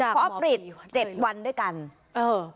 ขอปิดเจ็ดวันด้วยกันเออ